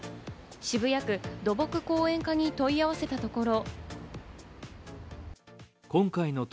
渋谷区土木公園課に問い合わせたところ。